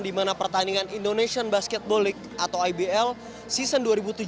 di mana pertandingan indonesian basketball league atau ibl season dua ribu tujuh belas dua ribu delapan belas